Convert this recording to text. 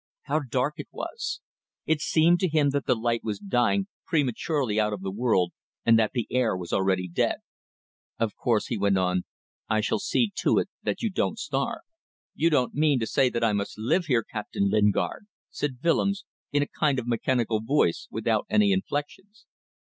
How dark it was! It seemed to him that the light was dying prematurely out of the world and that the air was already dead. "Of course," he went on, "I shall see to it that you don't starve." "You don't mean to say that I must live here, Captain Lingard?" said Willems, in a kind of mechanical voice without any inflections.